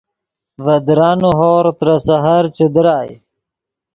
ڤے درانے ہورغ ترے سحر چے درائے